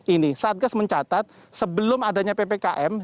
ini satgas mencatat sebelum adanya ppkm